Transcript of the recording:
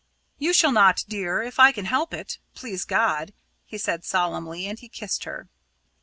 "You shall not, dear if I can help it please God," he said solemnly, and he kissed her.